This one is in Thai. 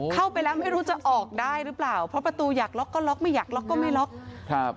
เข้าไปแล้วไม่รู้จะออกได้หรือเปล่าเพราะประตูอยากล็อกก็ล็อกไม่อยากล็อกก็ไม่ล็อกครับ